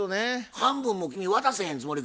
半分も君渡せへんつもりかいな？